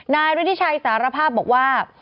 นายฤทธิชัยสารภาพบอกว่า